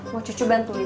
mau cucu bantuin nggak